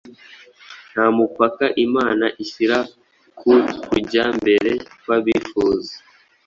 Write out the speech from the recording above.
Nta mupaka Imana ishyira ku kujya mbere kw’abifuza